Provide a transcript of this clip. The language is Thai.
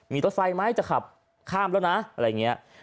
มีรถไฟไหมจะขับข้ามแล้วนะ